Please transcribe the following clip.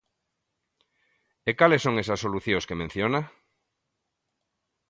E cales son esas solucións que menciona?